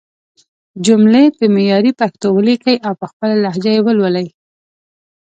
جملې په معياري پښتو وليکئ او په خپله لهجه يې ولولئ!